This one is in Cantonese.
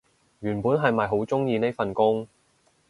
原本係咪好鍾意呢份工